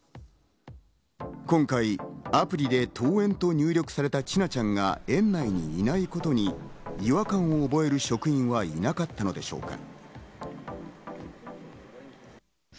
今回アプリで登園と入力されていた千奈ちゃんが園内にいないことに違和感を覚える職員はいなかったのでしょうか？